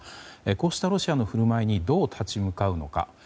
こうしたロシアの振る舞いにどう立ち向かうのか。